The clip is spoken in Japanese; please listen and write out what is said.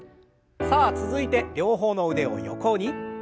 さあ続いて両方の腕を横に。